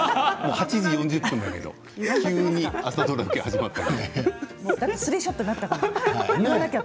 ８時４０分だけど急に朝ドラ受けが始まって。